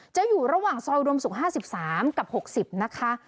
จะอยู่ระหว่างซอยอุดมศุกร์๕๓กับ๖๐นะคะ